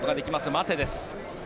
待てです。